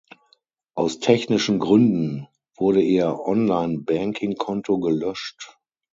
Aus "technischen Gründen" wurde ihr Online Banking Konto gelöscht.